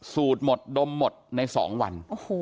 สูตรหมดดมหมดใน๒วัน